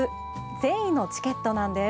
善意のチケットなんです。